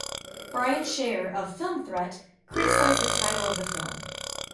Brian Shaer of "Film Threat" criticized the title of the film.